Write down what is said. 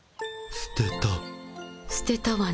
すてたわね。